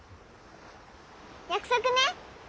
約束ね！